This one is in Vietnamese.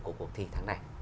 của cuộc thi tháng này